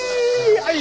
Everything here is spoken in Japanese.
はい。